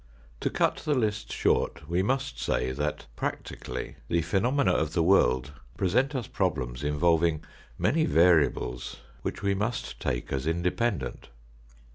To cut the list short we must say that practically the phenomena of the world present us problems involving many variables, which we must take as independent.